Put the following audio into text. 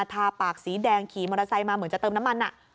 ทาปากสีแดงขี่มอเตอร์ไซค์มาเหมือนจะเติมน้ำมัน